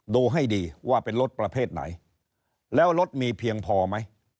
ดูให้ดีว่าเป็นรถประเภทไหนแล้วรถมีเพียงพอไหม